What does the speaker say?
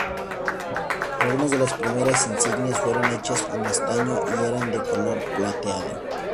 Algunas de las primeras insignias fueron hechas en estaño y eran de color plateado.